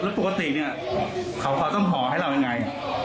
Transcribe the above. แล้วปกติเนี่ยเขาต้องห่อให้เรายังไง